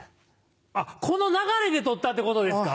あっこの流れで撮ったってことですか？